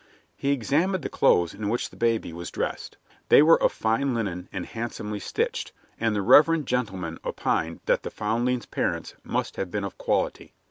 He examined the clothes in which the baby was dressed. They were of fine linen and handsomely stitched, and the reverend gentleman opined that the foundling's parents must have been of quality.